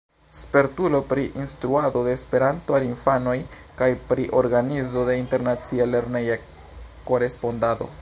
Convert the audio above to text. Spertulo pri instruado de Esperanto al infanoj kaj pri organizo de internacia lerneja korespondado.